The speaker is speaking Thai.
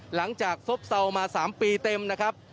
หลังจากซบเซามา๓ปีเต็มนะครับ